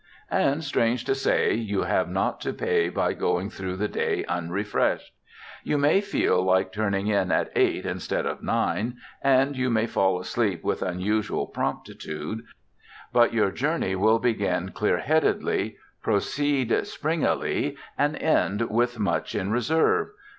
And, strange to say, you have not to pay by going through the day unrefreshed. You may feel like turning in at eight instead of nine, and you may fall asleep with unusual promptitude, but your journey will begin clear headedly, proceed springily, and end with much in reserve.